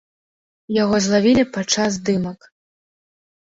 Яго злавілі падчас здымак.